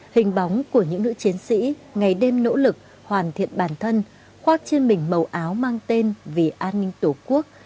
hình bóng của những nữ chiến sĩ ngày đêm nỗ lực hoàn thiện bản thân khoác trên mình màu áo mang tên vì an ninh tổ quốc